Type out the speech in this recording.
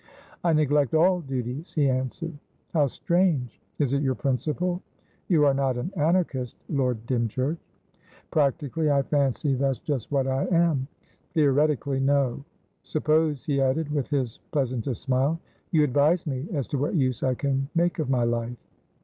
"I neglect all duties," he answered. "How strange! Is it your principle? You are not an Anarchist, Lord Dymchurch?" "Practically, I fancy that's just what I am. Theoretically, no. Suppose," he added, with his pleasantest smile, "you advise me as to what use I can make of my life."